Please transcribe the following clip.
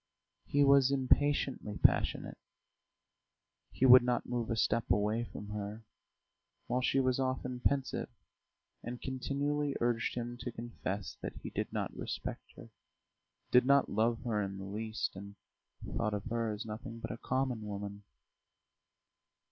He was impatiently passionate, he would not move a step away from her, while she was often pensive and continually urged him to confess that he did not respect her, did not love her in the least, and thought of her as nothing but a common woman.